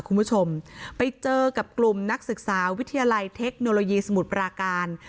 คุณผู้ชมไปเจอกับกลุ่มนักศึกษาวิทยาลัยเทคโนโลยีสมุทรปราการ